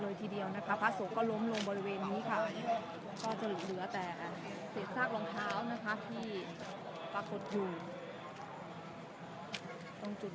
มีผู้ที่ได้รับบาดเจ็บและถูกนำตัวส่งโรงพยาบาลเป็นผู้หญิงวัยกลางคน